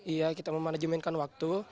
iya kita memanajemenkan waktu